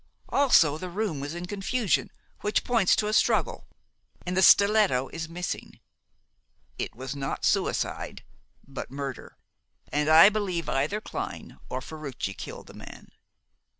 Also the room was in confusion, which points to a struggle, and the stiletto is missing. It was not suicide, but murder, and I believe either Clyne or Ferruci killed the man."